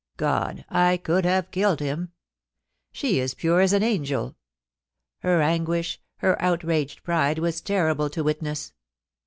. God ! I could have killed him. ... She is pure as an angel. Her anguish, her outraged pride were terrible to witness.